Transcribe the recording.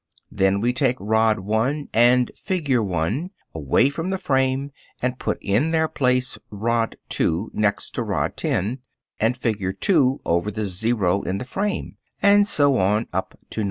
Then we take rod 1 and figure 1 away from the frame, and put in their place rod 2 next to rod 10, and figure 2 over the zero in the frame, and so on, up to 9.